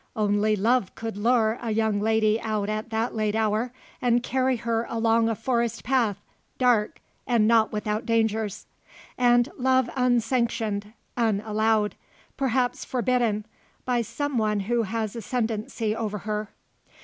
Only love could lure a young lady out at that late hour, and carry her along a forest path, dark, and not without dangers. And love unsanctioned, unallowed perhaps forbidden, by some one who has ascendancy over her.